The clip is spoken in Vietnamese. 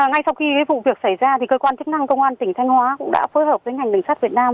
ngay sau khi vụ việc xảy ra cơ quan chức năng công an tỉnh thanh hóa cũng đã phối hợp với ngành đường sắt việt nam